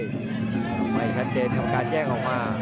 กลับกับกานเดทครับการแยกเป็นมา